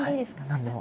何でも。